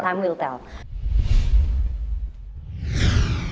waktu yang akan menjawab